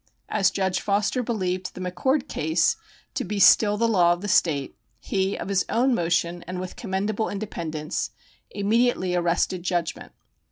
As Judge Foster believed the McCord case to be still the law of the State, he, of his own motion, and with commendable independence, immediately arrested judgment.